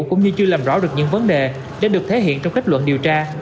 cũng như chưa làm rõ được những vấn đề đã được thể hiện trong kết luận điều tra